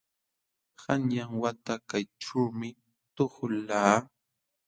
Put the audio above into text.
Qanyan wata kayćhuumi tuhulqaa.